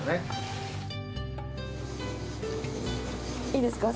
いいですか？